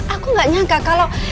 aku gak nyangka kalau